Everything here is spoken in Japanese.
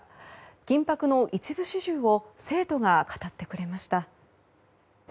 緊迫の一部始終を生徒が語ってくれました。